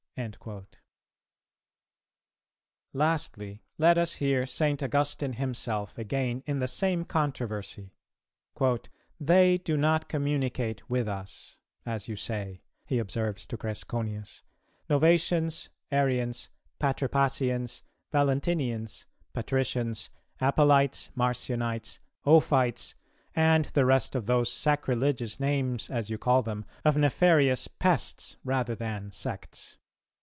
"[264:1] Lastly, let us hear St. Augustine himself again in the same controversy: "They do not communicate with us, as you say," he observes to Cresconius, "Novatians, Arians, Patripassians, Valentinians, Patricians, Apellites, Marcionites, Ophites, and the rest of those sacrilegious names, as you call them, of nefarious pests rather than sects.